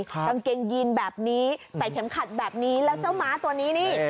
กางเกงยีนแบบนี้ใส่เข็มขัดแบบนี้แล้วเจ้าม้าตัวนี้นี่